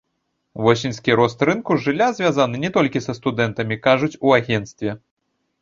Восеньскі рост рынку жылля звязаны не толькі са студэнтамі, кажуць у агенцтве.